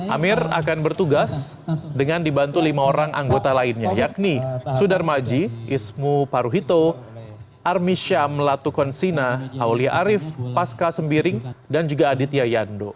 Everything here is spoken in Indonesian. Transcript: amir akan bertugas dengan dibantu lima orang anggota lainnya yakni sudar maji ismu paruhito armi syam latukonsina aulia arief pasca sembiring dan juga aditya yando